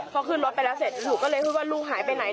พอขึ้นรถไปแล้วเสร็จหนูก็เลยพูดว่าลูกหายไปไหน